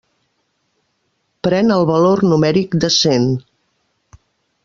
Pren el valor numèric de cent.